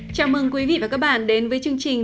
chào mừng quý vị và các bạn đến với chương trình